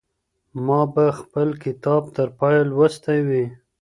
ما به خپل کتاب تر پایه لوستی وي.